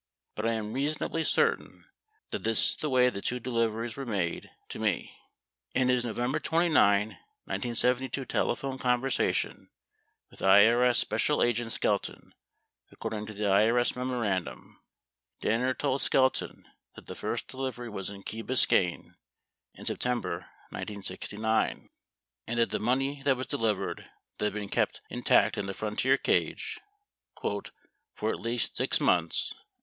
But I am reasonably certain that this is the way the two deliveries were made to me. 67 In his November 29, 1972, telephone conversation with IRS Special Agent Skelton, according to the IRS memorandum, Danner told Skelton that the first delivery was in Key Biscayne in September 1969 88 and that the money that was delivered then had been kept in tact in the Frontier cage "for alt] least six months."